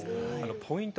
ポイント